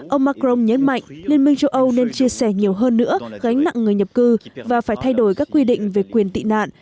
ông macron nhấn mạnh liên minh châu âu nên chia sẻ nhiều hơn nữa gánh nặng người nhập cư và phải thay đổi các quy định về quyền tị nạn